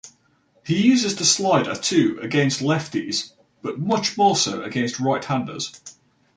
He uses the slider, too, against lefties, but much more so against right-handers.